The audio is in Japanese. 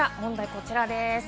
こちらです。